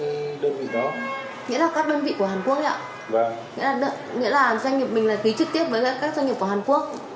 ký trực tiếp với các doanh nghiệp của hàn quốc